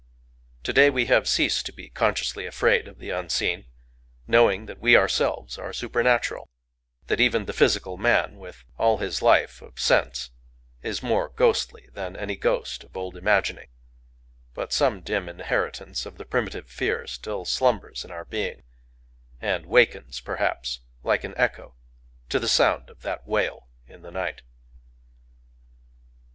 To day we have ceased to be consciously afraid of the unseen;—knowing that we ourselves are supernatural,—that even the physical man, with all his life of sense, is more ghostly than any ghost of old imagining: but some dim inheritance of the primitive fear still slumbers in our being, and wakens perhaps, like an echo, to the sound of that wail in the night.